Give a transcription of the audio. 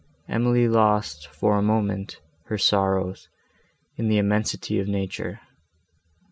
Emily lost, for a moment, her sorrows, in the immensity of nature.